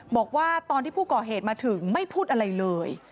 บอกว่าตอนที่ผู้ก่อเหตุมาถึงไม่พูดอะไรเลย